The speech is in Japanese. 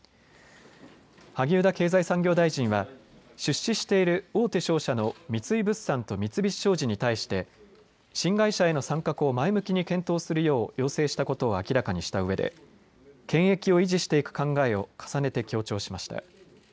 萩生田経済産業大臣は出資している大手商社の三井物産と三菱商事に対して新会社への参画を前向きに検討するよう要請したことを明らかにしたうえで権益を維持していく考えを重ねて強調しました。